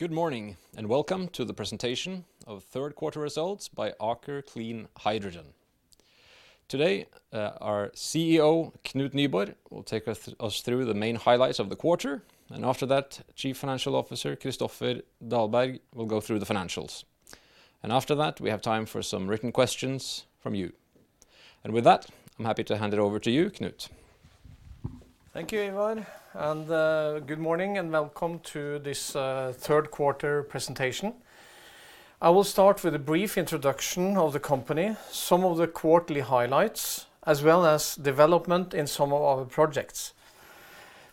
Good morning, welcome to the presentation of third quarter results by Aker Clean Hydrogen. Today, our CEO, Knut Nyborg, will take us through the main highlights of the quarter. After that, Chief Financial Officer, Kristoffer Dahlberg, will go through the financials. After that, we have time for some written questions from you. With that, I'm happy to hand it over to you, Knut. Thank you, Ivar. Good morning, and welcome to this third quarter presentation. I will start with a brief introduction of the company, some of the quarterly highlights, as well as development in some of our projects.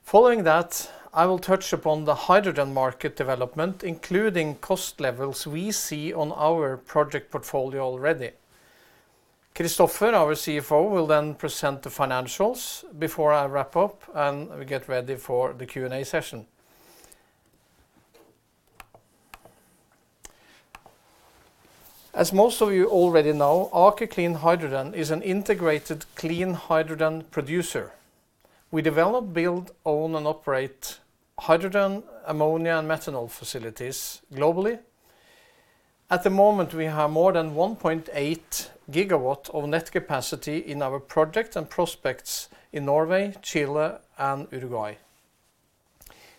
Following that, I will touch upon the hydrogen market development, including cost levels we see on our project portfolio already. Kristoffer, our CFO, will then present the financials before I wrap up, and we get ready for the Q&A session. As most of you already know, Aker Clean Hydrogen is an integrated clean hydrogen producer. We develop, build, own, and operate hydrogen, ammonia, and methanol facilities globally. At the moment, we have more than 1.8 GW of net capacity in our project and prospects in Norway, Chile, and Uruguay.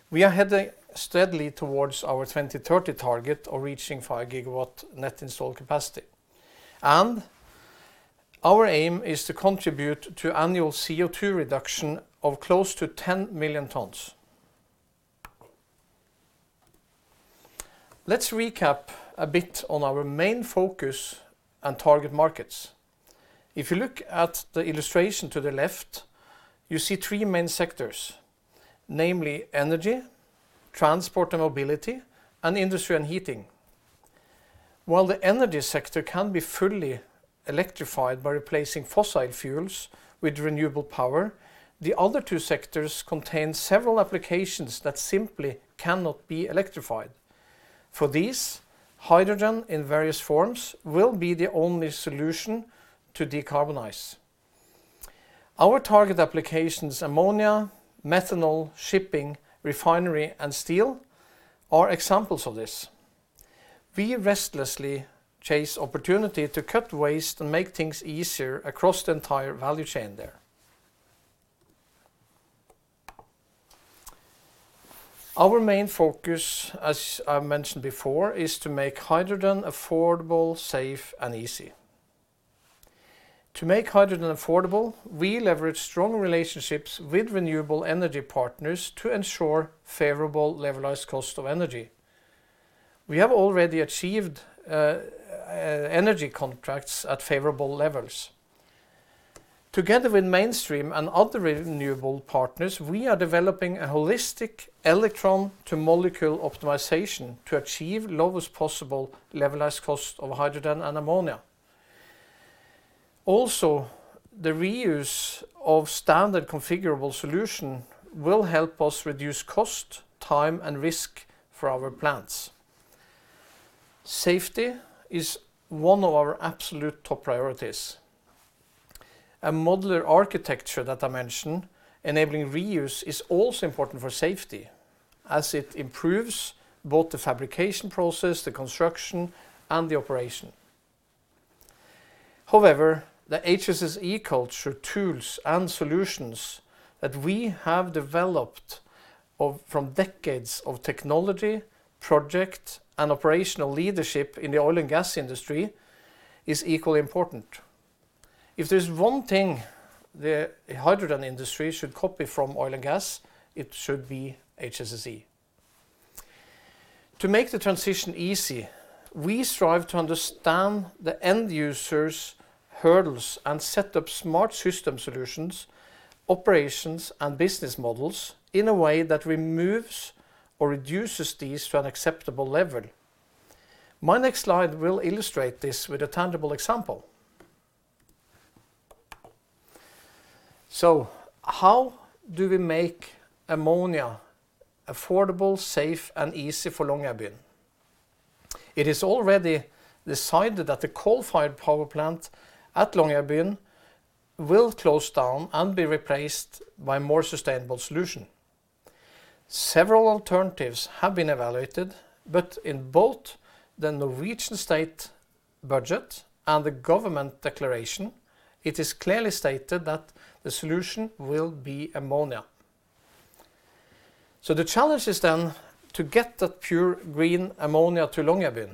We are heading steadily towards our 2030 target of reaching 5 GW net install capacity. Our aim is to contribute to annual CO2 reduction of close to 10 million tons. Let's recap a bit on our main focus and target markets. If you look at the illustration to the left, you see three main sectors, namely energy, transport and mobility, and industry and heating. While the energy sector can be fully electrified by replacing fossil fuels with renewable power, the other two sectors contain several applications that simply cannot be electrified. For these, hydrogen in various forms will be the only solution to decarbonize. Our target applications, ammonia, methanol, shipping, refinery, and steel are examples of this. We restlessly chase opportunity to cut waste and make things easier across the entire value chain there. Our main focus, as I mentioned before, is to make hydrogen affordable, safe, and easy. To make hydrogen affordable, we leverage strong relationships with renewable energy partners to ensure favorable levelized cost of energy. We have already achieved energy contracts at favorable levels. Together with Mainstream and other renewable partners, we are developing a holistic electron to molecule optimization to achieve lowest possible levelized cost of hydrogen and ammonia. The reuse of standard configurable solution will help us reduce cost, time, and risk for our plants. Safety is one of our absolute top priorities. A modular architecture that I mentioned enabling reuse is also important for safety as it improves both the fabrication process, the construction, and the operation. However, the HSSE culture tools and solutions that we have developed from decades of technology, project, and operational leadership in the oil and gas industry is equally important. If there's one thing the hydrogen industry should copy from oil and gas, it should be HSSE. To make the transition easy, we strive to understand the end users' hurdles and set up smart system solutions, operations, and business models in a way that removes or reduces these to an acceptable level. My next slide will illustrate this with a tangible example. How do we make ammonia affordable, safe, and easy for Longyearbyen? It is already decided that the coal-fired power plant at Longyearbyen will close down and be replaced by a more sustainable solution. Several alternatives have been evaluated, but in both the Norwegian state budget and the government declaration, it is clearly stated that the solution will be ammonia. The challenge is then to get that pure green ammonia to Longyearbyen.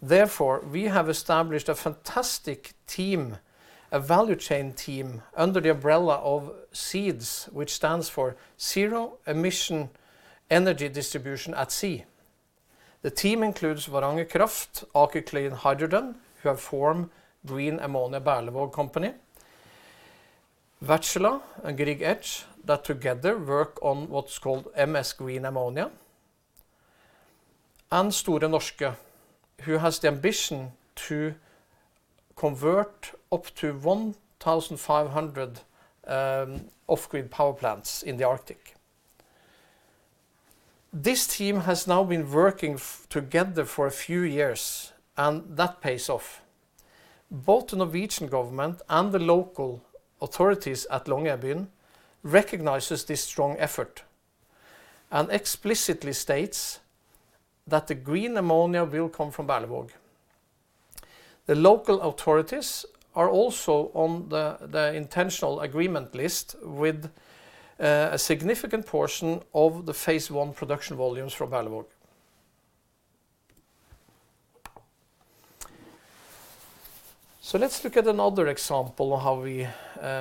Therefore, we have established a fantastic team, a value chain team under the umbrella of ZEEDS, which stands for Zero Emission Energy Distribution at Sea. The team includes Varanger Kraft, Aker Clean Hydrogen, who have formed Green Ammonia Berlevåg company, Wärtsilä, and Grieg Edge, that together work on what's called MS Green Ammonia, and Store Norske, who has the ambition to convert up to 1,500 off-grid power plants in the Arctic. This team has now been working together for a few years, and that pays off. Both the Norwegian government and the local authorities at Longyearbyen recognize this strong effort and explicitly state that the green ammonia will come from Berlevåg. The local authorities are also on the intentional agreement list with a significant portion of the phase 1 production volumes from Berlevåg. Let's look at another example of how we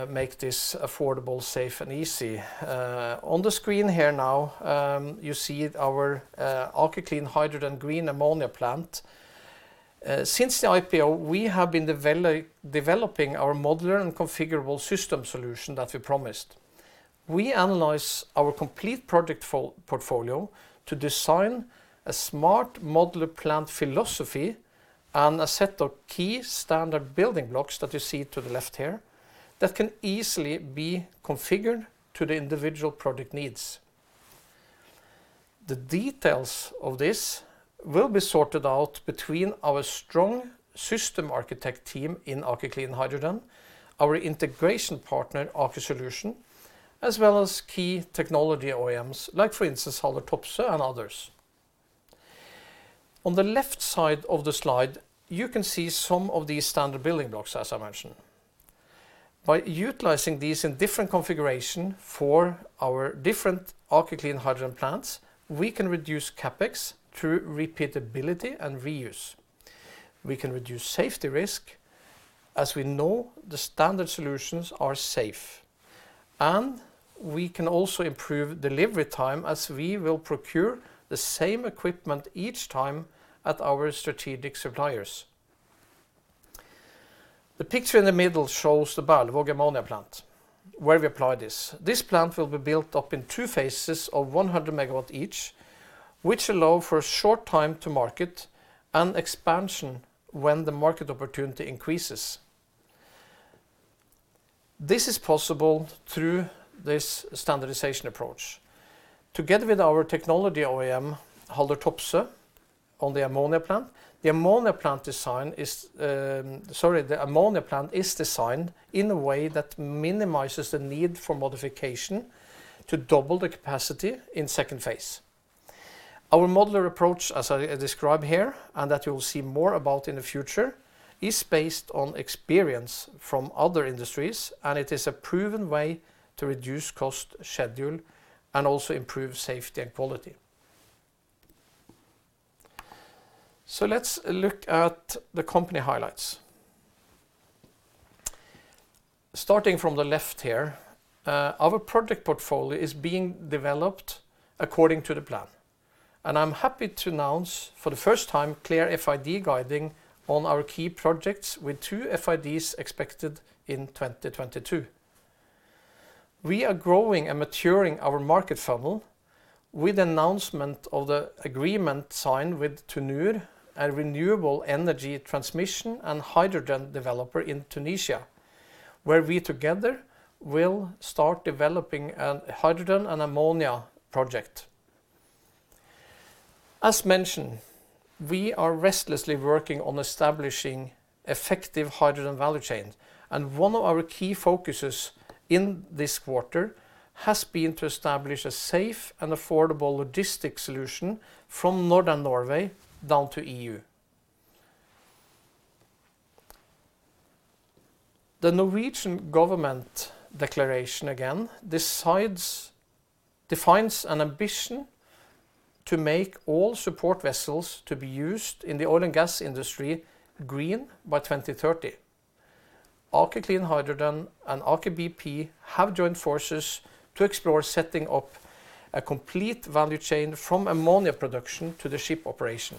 make this affordable, safe, and easy. On the screen here now, you see our Aker Clean Hydrogen green ammonia plant. Since the IPO, we have been developing our modular and configurable system solution that we promised. We analyze our complete project portfolio to design a smart modular plant philosophy and a set of key standard building blocks, that you see to the left here, that can easily be configured to the individual project needs. The details of this will be sorted out between our strong system architect team in Aker Clean Hydrogen, our integration partner, Aker Solutions, as well as key technology OEMs like, for instance, Haldor Topsoe and others. On the left side of the slide, you can see some of these standard building blocks, as I mentioned. By utilizing these in different configuration for our different Aker Clean Hydrogen plants, we can reduce CapEx through repeatability and reuse. We can reduce safety risk, as we know the standard solutions are safe. We can also improve delivery time, as we will procure the same equipment each time at our strategic suppliers. The picture in the middle shows the Berlevåg ammonia plant where we apply this. This plant will be built up in two phases of 100 MW each, which allow for a short time to market and expansion when the market opportunity increases. This is possible through this standardization approach. Together with our technology OEM, Haldor Topsoe, on the ammonia plant, the ammonia plant is designed in a way that minimizes the need for modification to double the capacity in second phase. Our modular approach, as I describe here, and that you will see more about in the future, is based on experience from other industries, and it is a proven way to reduce cost, schedule, and also improve safety and quality. Let's look at the company highlights. Starting from the left here, our project portfolio is being developed according to the plan. I'm happy to announce for the first time clear FID guiding on our key projects with two FIDs expected in 2022. We are growing and maturing our market funnel with the announcement of the agreement signed with TuNur, a renewable energy transmission and hydrogen developer in Tunisia, where we together will start developing a hydrogen and ammonia project. As mentioned, we are restlessly working on establishing effective hydrogen value chain, and one of our key focuses in this quarter has been to establish a safe and affordable logistics solution from Northern Norway down to EU. The Norwegian government declaration again defines an ambition to make all support vessels to be used in the oil and gas industry green by 2030. Aker Clean Hydrogen and Aker BP have joined forces to explore setting up a complete value chain from ammonia production to the ship operation.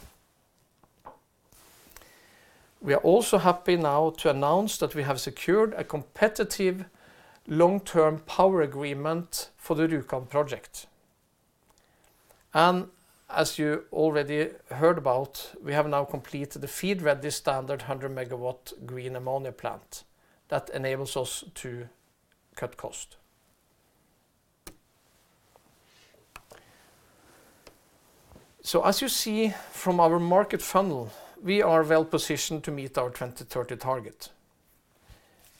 We are also happy now to announce that we have secured a competitive long-term power agreement for the Rjukan project. As you already heard about, we have now completed the feed-ready standard 100 MW green ammonia plant that enables us to cut cost. As you see from our market funnel, we are well positioned to meet our 2030 target.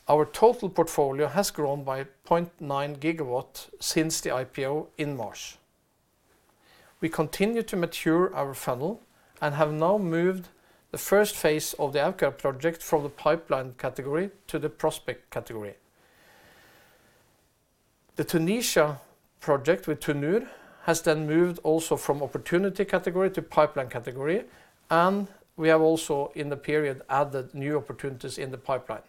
Our total portfolio has grown by 0.9 GW since the IPO in March. We continue to mature our funnel and have now moved the first phase of the Aukra project from the pipeline category to the prospect category. The Tunisia project with TuNur has moved also from opportunity category to pipeline category. We have also in the period added new opportunities in the pipeline.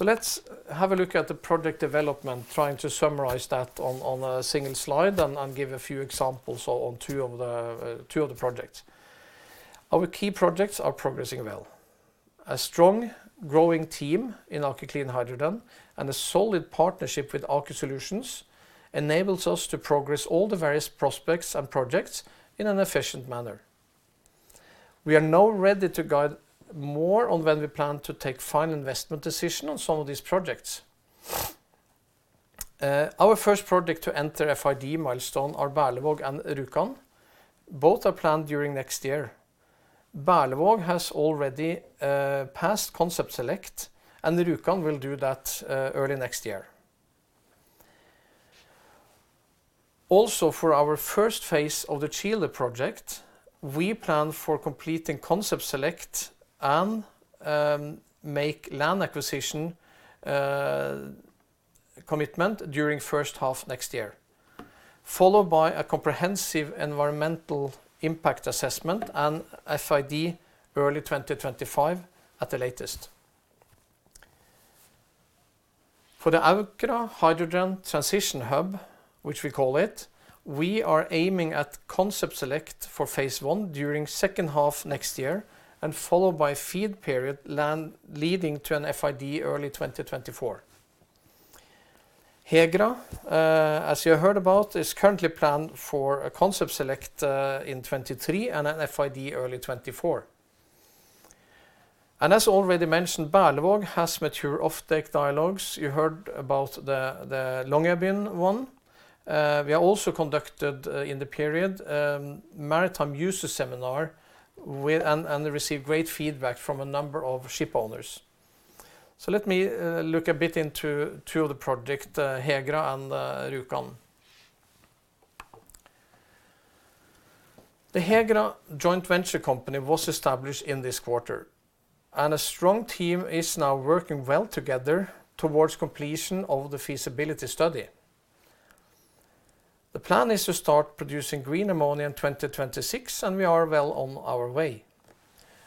Let's have a look at the project development, trying to summarize that on a single slide and give a few examples on two of the projects. Our key projects are progressing well. A strong, growing team in Aker Clean Hydrogen and a solid partnership with Aker Solutions enables us to progress all the various prospects and projects in an efficient manner. We are now ready to guide more on when we plan to take final investment decision on some of these projects. Our first project to enter FID milestone are Berlevåg and Rjukan. Both are planned during next year. Berlevåg has already passed concept select, and Rjukan will do that early next year. For our first phase of the [Chile] project, we plan for completing concept select and make land acquisition commitment during first half next year, followed by a comprehensive environmental impact assessment and FID early 2025 at the latest. For the Aukra Hydrogen Transition Hub, which we call it, we are aiming at concept select for phase 1 during second half next year and followed by feed period leading to an FID early 2024. HEGRA, as you heard about, is currently planned for a concept select in 2023 and an FID early 2024. As already mentioned, Berlevåg has mature offtake dialogues. You heard about the Longyearbyen one. We are also conducted, in the period, maritime user seminar and received great feedback from a number of ship owners. Let me look a bit into two of the project, HEGRA and Rjukan. The HEGRA joint venture company was established in this quarter, and a strong team is now working well together towards completion of the feasibility study. The plan is to start producing green ammonia in 2026, and we are well on our way.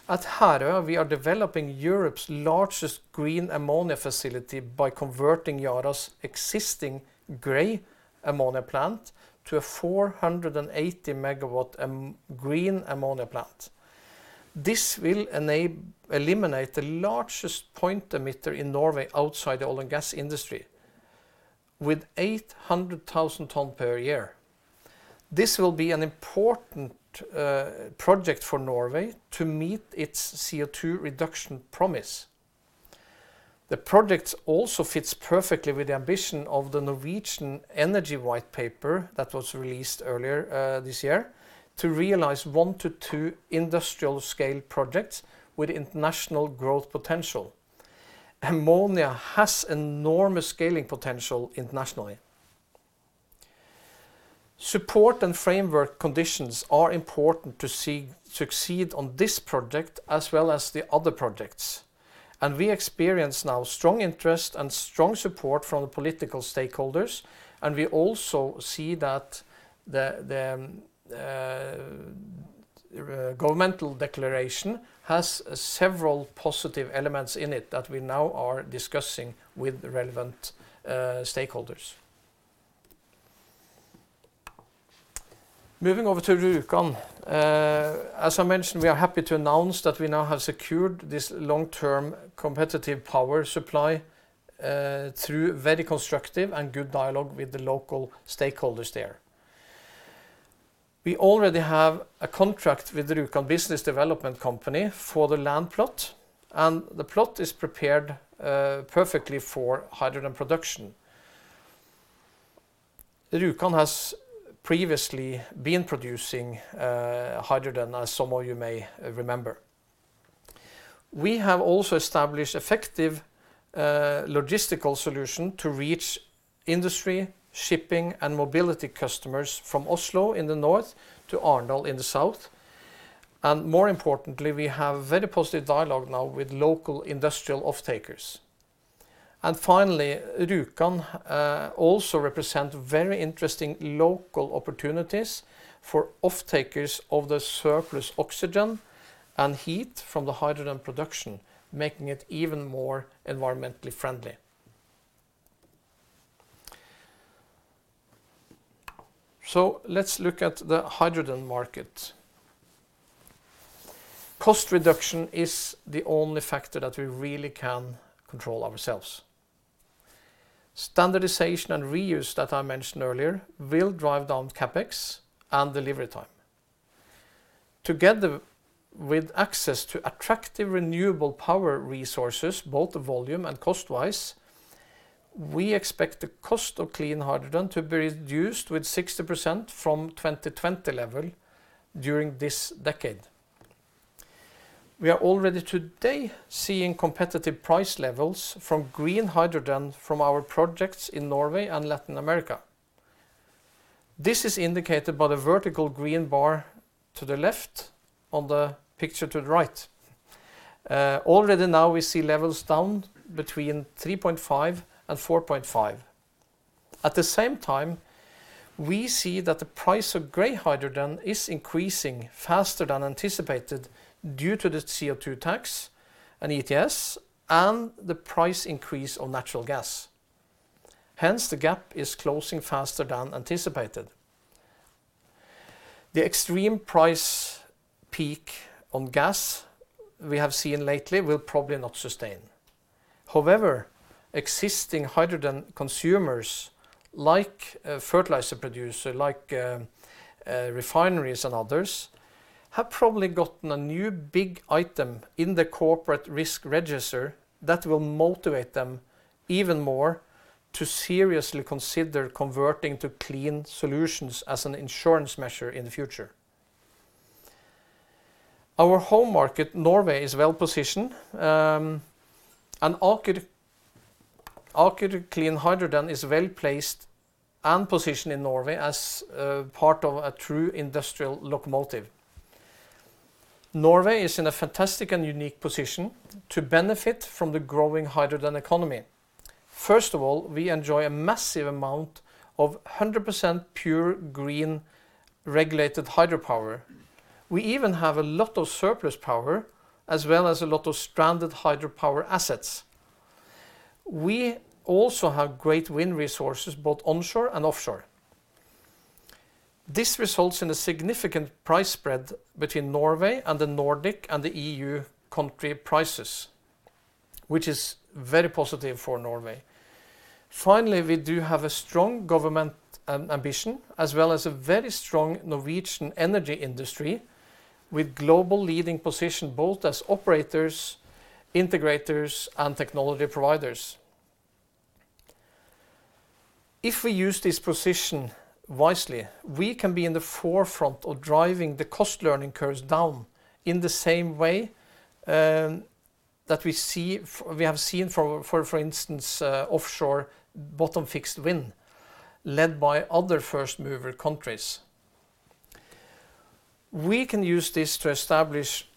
At Herøya, we are developing Europe's largest green ammonia facility by converting Yara's existing gray ammonia plant to a 480 MW green ammonia plant. This will eliminate the largest point emitter in Norway outside the oil and gas industry, with 800,000 tons per year. This will be an important project for Norway to meet its CO2 reduction promise. The project also fits perfectly with the ambition of the Norwegian Energy White Paper that was released earlier this year to realize one to two industrial scale projects with international growth potential. Ammonia has enormous scaling potential internationally. Support and framework conditions are important to succeed on this project as well as the other projects. We experience now strong interest and strong support from the political stakeholders, and we also see that the governmental declaration has several positive elements in it that we now are discussing with the relevant stakeholders. Moving over to Rjukan. As I mentioned, we are happy to announce that we now have secured this long-term competitive power supply, through very constructive and good dialogue with the local stakeholders there. We already have a contract with the Rjukan Business Development Company for the land plot, and the plot is prepared perfectly for hydrogen production. Rjukan has previously been producing hydrogen, as some of you may remember. We have also established effective logistical solution to reach industry, shipping, and mobility customers from Oslo in the north to Arendal in the south. More importantly, we have very positive dialogue now with local industrial offtakers. Finally, Rjukan also represent very interesting local opportunities for offtakers of the surplus oxygen and heat from the hydrogen production, making it even more environmentally friendly. Let's look at the hydrogen market. Cost reduction is the only factor that we really can control ourselves. Standardization and reuse that I mentioned earlier will drive down CapEx and delivery time. Together with access to attractive renewable power resources, both volume and cost-wise, we expect the cost of clean hydrogen to be reduced with 60% from 2020 level during this decade. We are already today seeing competitive price levels from green hydrogen from our projects in Norway and Latin America. This is indicated by the vertical green bar to the left on the picture to the right. Already now we see levels down between 3.5 and 4.5. At the same time, we see that the price of gray hydrogen is increasing faster than anticipated due to the CO2 tax and ETS and the price increase on natural gas. Hence, the gap is closing faster than anticipated. The extreme price peak on gas we have seen lately will probably not sustain. However, existing hydrogen consumers like fertilizer producer, like refineries and others have probably gotten a new big item in the corporate risk register that will motivate them even more to seriously consider converting to clean solutions as an insurance measure in the future. Our home market, Norway, is well-positioned, and Aker Clean Hydrogen is well-placed and positioned in Norway as a part of a true industrial locomotive. Norway is in a fantastic and unique position to benefit from the growing hydrogen economy. First of all, we enjoy a massive amount of 100% pure green regulated hydropower. We even have a lot of surplus power as well as a lot of stranded hydropower assets. We also have great wind resources, both onshore and offshore. This results in a significant price spread between Norway and the Nordic and the EU country prices, which is very positive for Norway. Finally, we do have a strong government ambition as well as a very strong Norwegian energy industry with global leading position both as operators, integrators, and technology providers. If we use this position wisely, we can be in the forefront of driving the cost learning curves down in the same way that we have seen, for instance, offshore bottom fixed wind led by other first-mover countries. We can use this to establish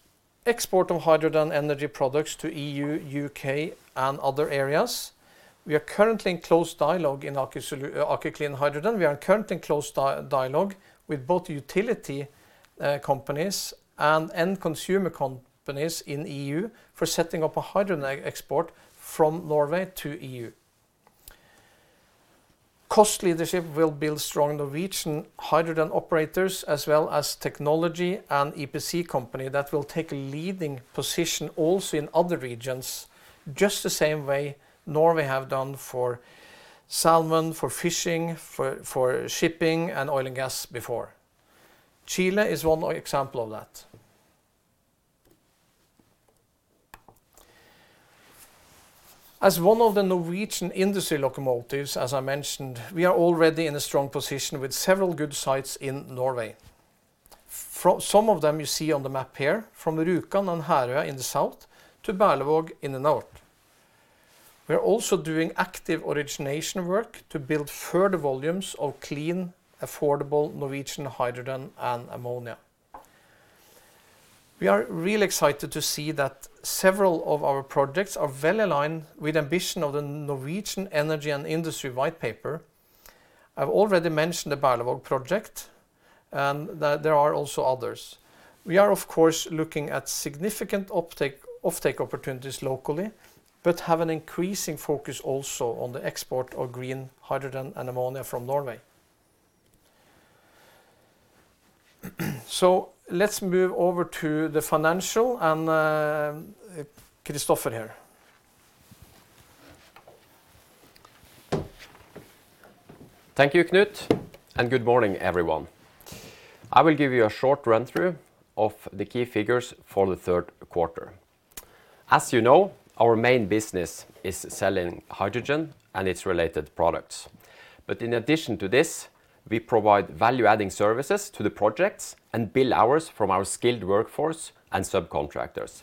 export of hydrogen energy products to EU, U.K., and other areas. We are currently in close dialogue in Aker Clean Hydrogen. We are currently in close dialogue with both utility companies and end consumer companies in EU for setting up a hydrogen export from Norway to EU. Cost leadership will build strong Norwegian hydrogen operators as well as technology and EPC company that will take a leading position also in other regions, just the same way Norway have done for salmon, for fishing, for shipping, and oil and gas before. Chile is one example of that. As one of the Norwegian industry locomotives, as I mentioned, we are already in a strong position with several good sites in Norway. Some of them you see on the map here, from Rjukan and Herøya in the south to Berlevåg in the north. We are also doing active origination work to build further volumes of clean, affordable Norwegian hydrogen and ammonia. We are really excited to see that several of our projects are well-aligned with the ambition of the Norwegian Energy and Industry White Paper. I've already mentioned the Berlevåg project. There are also others. We are, of course, looking at significant offtake opportunities locally. Have an increasing focus also on the export of green hydrogen and ammonia from Norway. Let's move over to the financial and Kristoffer here. Thank you, Knut. Good morning, everyone. I will give you a short run-through of the key figures for the third quarter. As you know, our main business is selling hydrogen and its related products. In addition to this, we provide value-adding services to the projects and bill hours from our skilled workforce and subcontractors.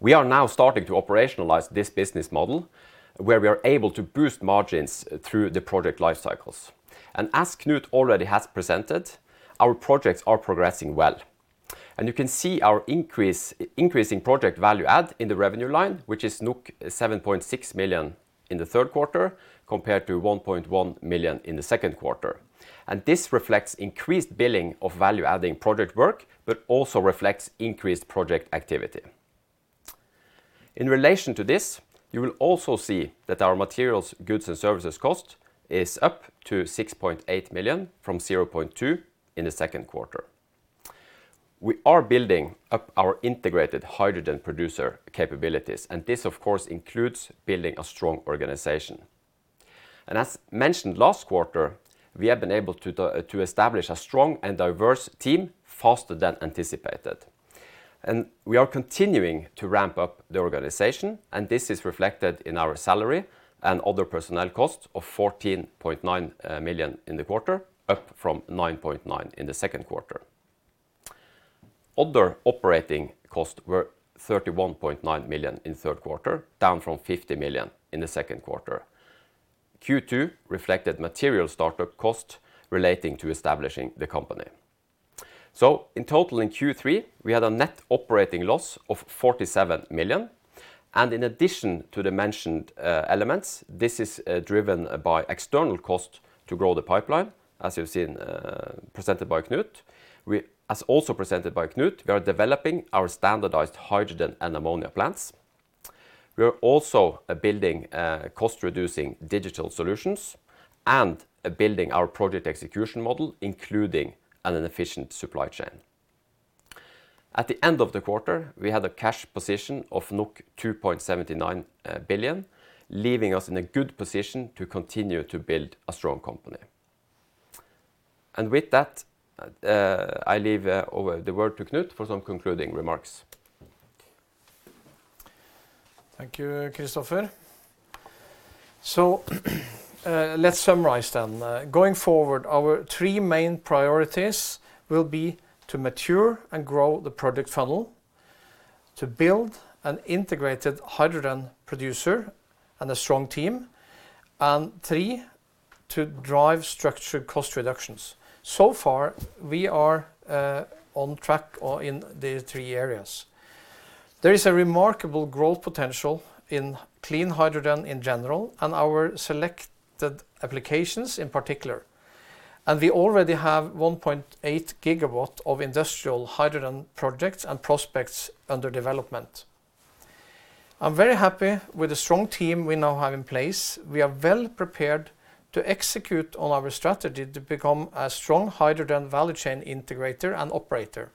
We are now starting to operationalize this business model where we are able to boost margins through the project life cycles. As Knut already has presented, our projects are progressing well. You can see our increasing project value add in the revenue line, which is 7.6 million in the third quarter, compared to 1.1 million in the second quarter. This reflects increased billing of value-adding project work but also reflects increased project activity. In relation to this, you will also see that our materials, goods, and services cost is up to 6.8 million from 0.2 in the second quarter. We are building up our integrated hydrogen producer capabilities. This of course, includes building a strong organization. As mentioned last quarter, we have been able to establish a strong and diverse team faster than anticipated. We are continuing to ramp up the organization, and this is reflected in our salary and other personnel costs of 14.9 million in the quarter, up from 9.9 in the second quarter. Other operating costs were 31.9 million in the third quarter, down from 50 million in the second quarter. Q2 reflected material startup costs relating to establishing the company. In total in Q3, we had a net operating loss of 47 million, and in addition to the mentioned elements, this is driven by external cost to grow the pipeline, as you've seen presented by Knut Nyborg. As also presented by Knut Nyborg, we are developing our standardized hydrogen and ammonia plants. We are also building cost-reducing digital solutions and building our project execution model, including an efficient supply chain. At the end of the quarter, we had a cash position of 2.79 billion, leaving us in a good position to continue to build a strong company. With that, I leave over the word to Knut Nyborg for some concluding remarks. Thank you, Kristoffer. Let's summarize then. Going forward, our three main priorities will be to mature and grow the project funnel, to build an integrated hydrogen producer and a strong team, and three, to drive structured cost reductions. So far, we are on track in these three areas. There is a remarkable growth potential in clean hydrogen in general and our selected applications in particular. We already have 1.8 GW of industrial hydrogen projects and prospects under development. I'm very happy with the strong team we now have in place. We are well prepared to execute on our strategy to become a strong hydrogen value chain integrator and operator.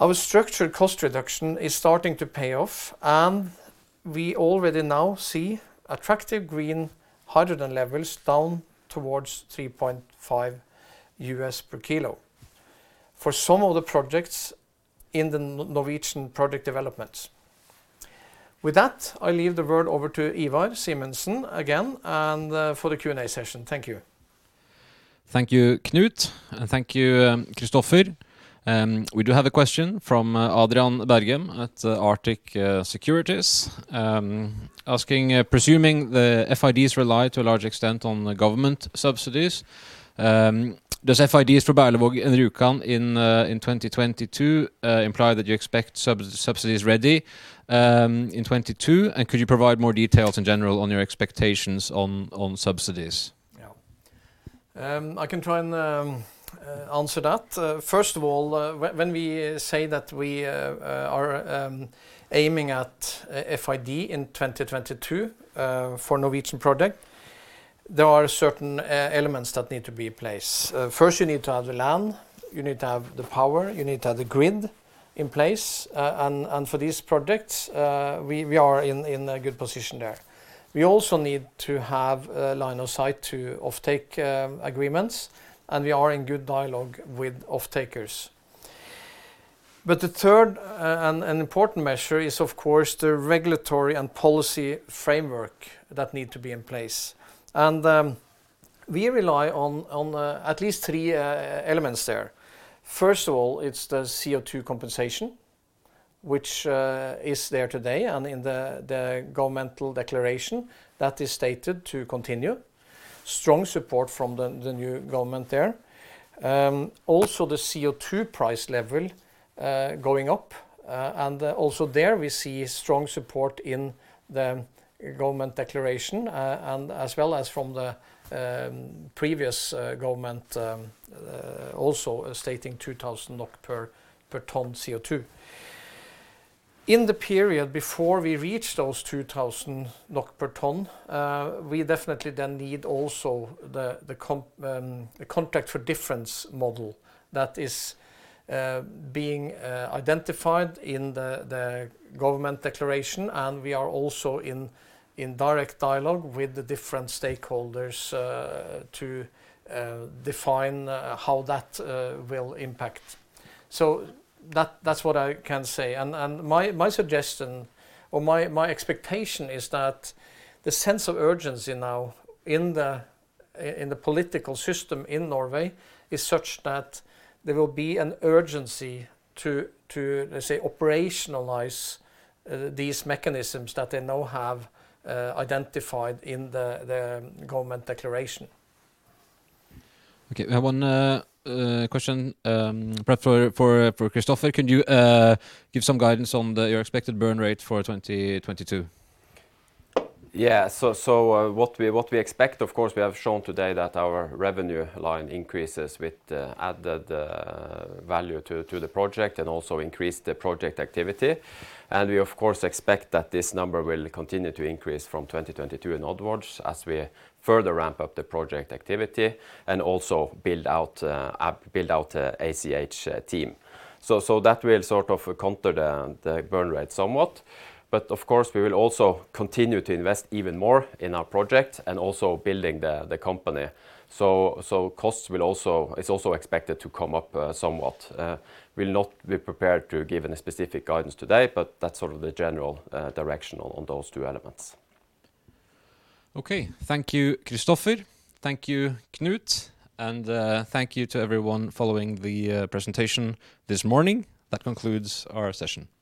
Our structured cost reduction is starting to pay off, and we already now see attractive green hydrogen levels down towards $3.5 per kilo for some of the projects in the Norwegian project developments. With that, I leave the word over to Ivar Simensen again for the Q&A session. Thank you. Thank you, Knut, and thank you, Kristoffer. We do have a question from Adrian Bergem at Arctic Securities asking, presuming the FIDs rely to a large extent on government subsidies, does FIDs for Berlevåg and Rjukan in 2022 imply that you expect subsidies ready in 2022? Could you provide more details in general on your expectations on subsidies? I can try and answer that. First of all, when we say that we are aiming at FID in 2022 for Norwegian project, there are certain elements that need to be in place. First, you need to have the land, you need to have the power, you need to have the grid in place. For these projects, we are in a good position there. We also need to have a line of sight to offtake agreements, and we are in good dialogue with off takers. The third and important measure is, of course, the regulatory and policy framework that need to be in place. We rely on at least three elements there. First of all, it's the CO2 compensation, which is there today and in the governmental declaration that is stated to continue. Strong support from the new government there. The CO2 price level going up and also there we see strong support in the government declaration, as well as from the previous government also stating 2,000 NOK per ton of CO2. In the period before we reach those 2,000 NOK per ton, we definitely then need also the contract for difference model that is being identified in the government declaration, and we are also in direct dialogue with the different stakeholders to define how that will impact. That's what I can say. My suggestion or my expectation is that the sense of urgency now in the political system in Norway is such that there will be an urgency to, let's say, operationalize these mechanisms that they now have identified in the government declaration. Okay. We have one question, perhaps for Kristoffer. Could you give some guidance on your expected burn rate for 2022? Yeah. What we expect, of course, we have shown today that our revenue line increases with the added value to the project and also increase the project activity. We, of course, expect that this number will continue to increase from 2022 and onwards as we further ramp up the project activity and also build out ACH team. That will sort of counter the burn rate somewhat. Of course, we will also continue to invest even more in our project and also building the company. Costs is also expected to come up somewhat. We'll not be prepared to give any specific guidance today, but that's sort of the general direction on those two elements. Okay. Thank you, Kristoffer. Thank you, Knut. Thank you to everyone following the presentation this morning. That concludes our session.